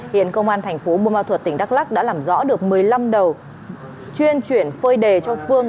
hiện công an thành phố bùa ma thuật tỉnh đắk lắc đã làm rõ được một mươi năm đầu chuyên chuyển phơi đề cho phương